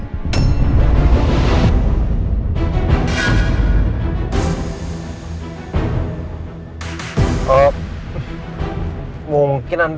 pop mungkin anda salah dengar apa yang diucapkan elsa kali pak